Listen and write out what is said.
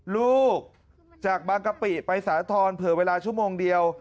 ลูกจากบางกะปิไปสาธรณ์เผื่อเวลาชั่วโมงเดียว